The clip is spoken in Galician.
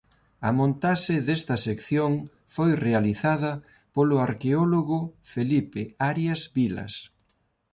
A montaxe desta sección foi realizada polo arqueólogo Felipe Arias Vilas.